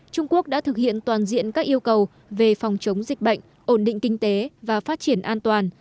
trung quốc đã thực hiện toàn diện các yêu cầu về phòng chống dịch bệnh ổn định kinh tế và phát triển an toàn